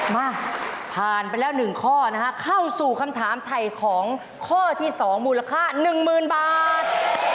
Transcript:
มาผ่านไปแล้ว๑ข้อนะฮะเข้าสู่คำถามถ่ายของข้อที่๒มูลค่า๑๐๐๐บาท